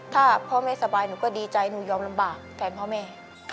ถ้าพ่อแม่สบายหนูก็ดีใจหนูยอมลำบากแทนพ่อแม่